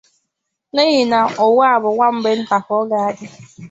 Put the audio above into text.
n'ihi na ụwa bụ naanị nwa mgbe ntà ka ọ na-adị